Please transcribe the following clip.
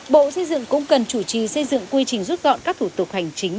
bộ xây dựng cũng cần chủ trì xây dựng quy trình rút gọn các thủ tục hành chính